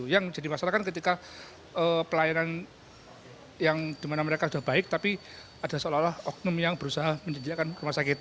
yang menjadi masalah kan ketika pelayanan yang dimana mereka sudah baik tapi ada seolah olah oknum yang berusaha mendirikan rumah sakit